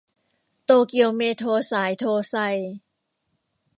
โตเกียวเมโทรสายโทไซ